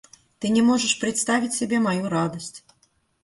Ты не можешь представить себе мою радость!